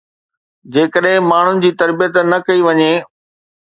جيڪڏهن ماڻهن جي تربيت نه ڪئي وڃي